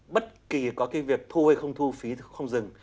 bất kỳ có cái việc thu hay không thu phí không dừng